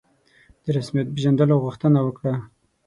د رسمیت پېژندلو غوښتنه وکړه.